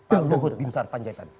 pak luhur binsar panjaitan